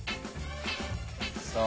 「さあ」